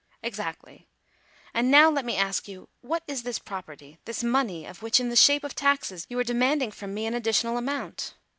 " Exactly. And now let me ask what is this property, this money, of which in the shape of taxes you are demanding from me an additional amount